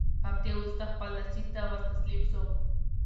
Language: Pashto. هفتې وورسته خپل نصیب ته ورتسلیم سو